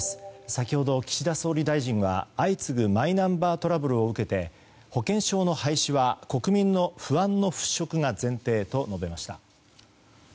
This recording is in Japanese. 先ほど岸田総理大臣は、相次ぐマイナンバートラブルを受けて保険証の廃止は国民の不安の払拭が前提と述べました。